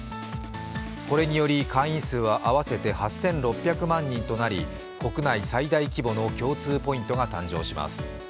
これにより会員数は合わせて８６００万人となり国内最大規模の共通ポイントが誕生します。